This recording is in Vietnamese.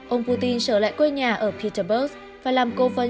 ông putin trở lại quê nhà ở petersburg và làm cổ tổng thống nga